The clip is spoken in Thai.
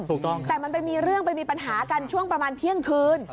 ถูกต้องแต่มันไปมีเรื่องไปมีปัญหากันช่วงประมาณเที่ยงคืน